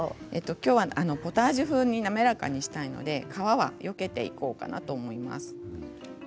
きょうはポタージュ風に滑らかにしたいので皮はよけていこうかなと思います。